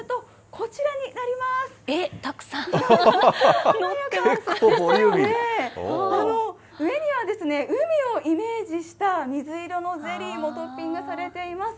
この上には、海をイメージした水色のゼリーもトッピングされています。